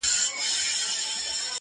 په یوه ګړي یې مرګ ته برابر کړ٫